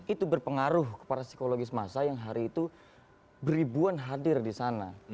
itu berpengaruh kepada psikologis masa yang hari itu beribuan hadir di sana